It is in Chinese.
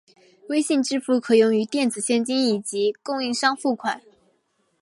微信支付可用于电子现金以及供应商付款。